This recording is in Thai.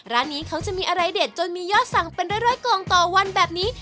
ร้านนี้เขาจะมีอะไรเด็ดจนมียอดสั่งเป็นร้อยกองต่อวันแบบนี้